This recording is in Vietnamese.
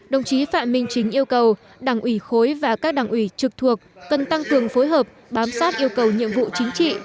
đồng chí phạm minh chính yêu cầu đảng ủy khối và các đảng ủy trực thuộc cần tăng cường phối hợp bám sát yêu cầu nhiệm vụ chính trị